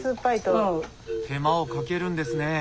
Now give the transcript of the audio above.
手間をかけるんですね。